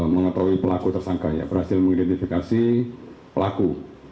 mengetahui pelaku tersangka ya berhasil mengidentifikasi pelaku